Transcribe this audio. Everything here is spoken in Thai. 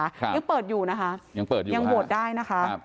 ยังเปิดอยู่นะคะยังโหวตได้นะคะ